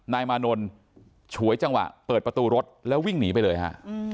นายมานนท์ฉวยจังหวะเปิดประตูรถแล้ววิ่งหนีไปเลยฮะ